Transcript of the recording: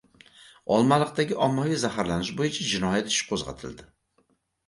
Olmaliqdagi ommaviy zaharlanish bo‘yicha jinoyat ishi qo‘zg‘atildi